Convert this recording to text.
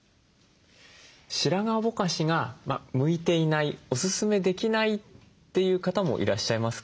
白髪ぼかしが向いていないおすすめできないという方もいらっしゃいますか？